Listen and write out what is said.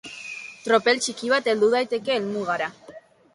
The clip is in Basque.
Tropel txiki bat heldu daiteke helmugara.